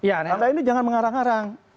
anda ini jangan mengarang arang